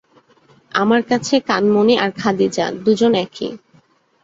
আমার কাছে, কানমণি আর খাদিজা দুজন একই।